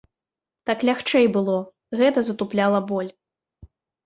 Так лягчэй было, гэта затупляла боль.